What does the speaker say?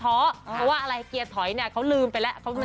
เพราะว่าอะไรเขียนเขาเหลืมไปแล้ว